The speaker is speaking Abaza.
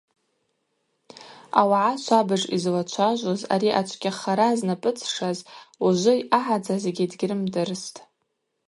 Ауагӏа швабыж йызлачважвуз ари ачвгьахара знапӏыцӏшаз ужвы йъагӏадзазгьи дгьрымдырстӏ.